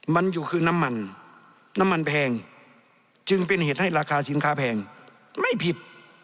มันอยู่คือน้ำมันน้ำมันแพงจึงเป็นเหตุให้ราคาสินค้าแพงไม่ผิด